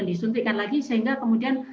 disuntikkan lagi sehingga kemudian